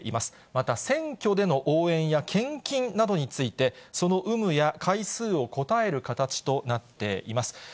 また、選挙での応援や献金などについて、その有無や回数を答える形となっています。